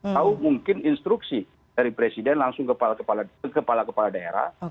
tahu mungkin instruksi dari presiden langsung ke kepala kepala daerah